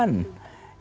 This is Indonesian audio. yang membuat polusi